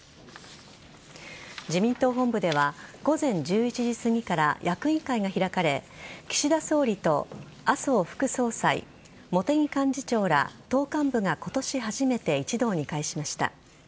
自民党本部では午前１１時すぎから役員会が開かれ岸田総理と麻生副総裁茂木幹事長ら党幹部が今年初めて一堂に会しました。